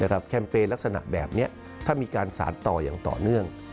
แคมเปญลักษณะแบบนี้ถ้ามีการสารต่ออย่างต่อเนื่อง